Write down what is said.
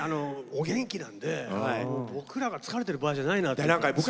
お元気なので、僕らが疲れている場合じゃないなと。